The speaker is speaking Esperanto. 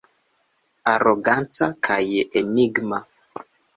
Aroganta kaj enigma.